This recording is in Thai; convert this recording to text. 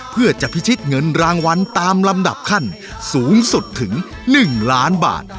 เพื่อจะพิชิตเงินรางวัลตามลำดับขั้นสูงสุดถึง๑ล้านบาท